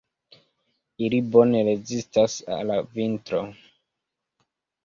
Ili bone rezistas al vintro.